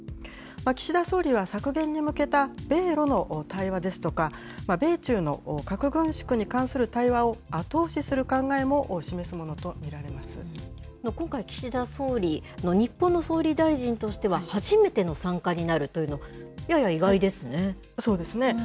岸田総理は削減に向けた米ロの対話ですとか、米中の核軍縮に関する対話を後押しする考えも示すものと見られま今回、岸田総理、日本の総理大臣としては初めての参加になるというのは、やや意外そうですね。